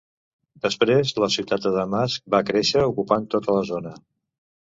Després la ciutat de Damasc va créixer ocupant tota la zona.